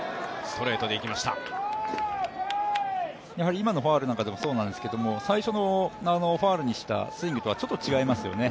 今のファウルなんかでもそうなんですけれども最初のファウルにしたスイングとは、ちょっと違いますよね。